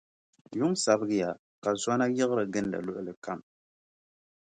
Yuŋ sabigiya, ka zɔna yiɣiri gindi luɣili kam.